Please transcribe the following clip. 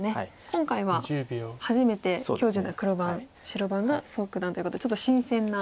今回は初めて許十段黒番白番が蘇九段ということでちょっと新鮮な。